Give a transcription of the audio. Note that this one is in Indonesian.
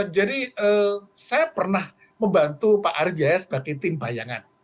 jadi saya pernah membantu pak ari jaya sebagai tim bayangan